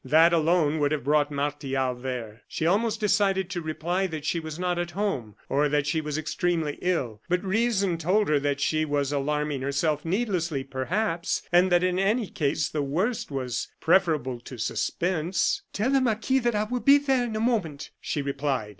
That alone would have brought Martial there. She almost decided to reply that she was not at home, or that she was extremely ill; but reason told her that she was alarming herself needlessly, perhaps, and that, in any case, the worst was preferable to suspense. "Tell the marquis that I will be there in a moment," she replied.